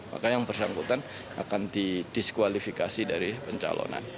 maka yang bersangkutan akan didiskualifikasi dari pencalonan